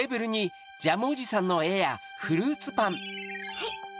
はい。